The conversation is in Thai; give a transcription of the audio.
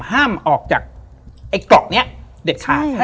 ห้ามออกจากไอ้เกาะนี้เด็ดขาด